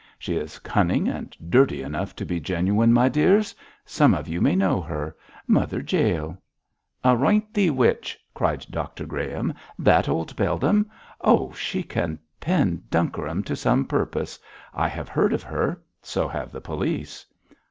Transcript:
'She is cunning and dirty enough to be genuine, my dears. Some of you may know her. Mother Jael!' 'Aroint thee, witch!' cried Dr Graham, 'that old beldam; oh, she can "pen dukherin" to some purpose. I have heard of her; so have the police.'